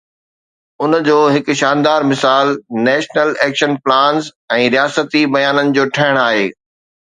ان جو هڪ شاندار مثال نيشنل ايڪشن پلانز ۽ رياستي بيانن جو ٺهڻ آهي.